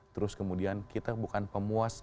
terus kemudian kita bukan pemuas